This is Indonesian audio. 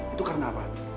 itu karena apa